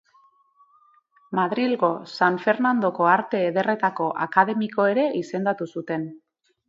Madrilgo San Fernandoko Arte Ederretako akademiko ere izendatu zuten.